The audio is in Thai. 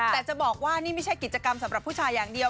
แต่จะบอกว่านี่ไม่ใช่กิจกรรมสำหรับผู้ชายอย่างเดียว